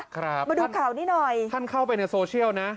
ครับมาดูข่าวนี้หน่อยท่านเข้าไปในโซเชียลนะ